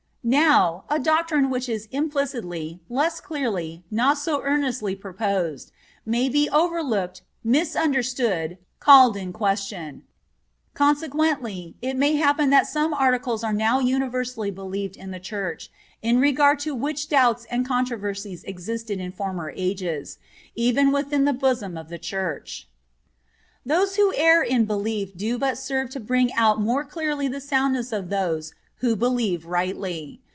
Now, a doctrine which is implicitly, less clearly, not so earnestly proposed, may be overlooked, misunderstood, called in question; consequently, it may happen that some articles are now universally believed in the Church, in regard to which doubts and controversies existed in former ages, even within the bosom of the Church. "Those who err in belief do but serve to bring out more clearly the soundness of those who believe rightly.